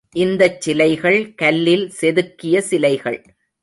இந்தச் சிலைகள் கல்லில் செதுக்கிய சிலைகள்.